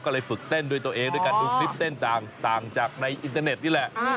ก็เลยฝึกเต้นด้วยตัวเองด้วยการดูคลิปเต้นต่างจากในอินเทอร์เน็ตนี่แหละ